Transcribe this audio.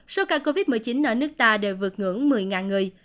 số ca covid một mươi chín ở nước ta đều vượt ngưỡng một mươi người